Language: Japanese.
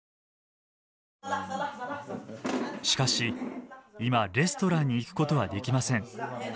しかし今レストランに行くことはできません。